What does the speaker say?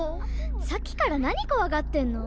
さっきから何こわがってんの？